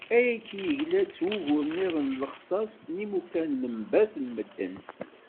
Ayagi yegla-d s wugur-nniḍen n lexṣaṣ n yimukan n lembat n medden.